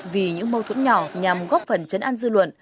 vì những mâu thuẫn nhỏ nhằm góp phần chấn an dư luận